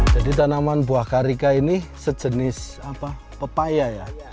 jadi tanaman buah karika ini sejenis pepaya ya